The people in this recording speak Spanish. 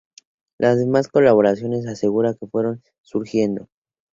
Las demás colaboraciones asegura que fueron surgiendo.